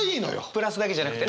プラスだけじゃなくてね！